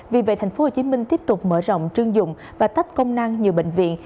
vì vậy tp hcm tiếp tục mở rộng chuyên dụng và tách công năng nhiều bệnh viện